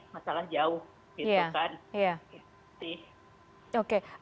masalah jauh gitu kan